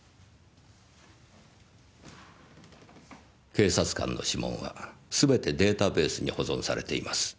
警察官の指紋はすべてデータベースに保存されています。